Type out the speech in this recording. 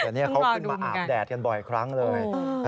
แต่นี่เขาขึ้นมาอาบแดดกันบ่อยครั้งเลย